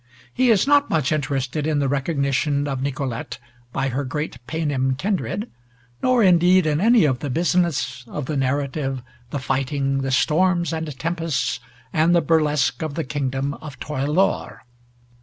He is not much interested in the recognition of Nicolete by her great Paynim kindred, nor indeed in any of the "business" of the narrative, the fighting, the storms and tempests, and the burlesque of the kingdom of Torelore.